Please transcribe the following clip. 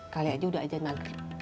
kali aja udah ajarin maghrib